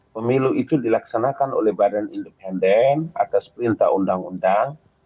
pemilu itu dilaksanakan oleh badan independen atas perintah undang undang